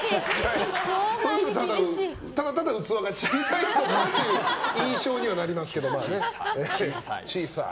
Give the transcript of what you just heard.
ただただ器が小さいなという印象にはなりますけど。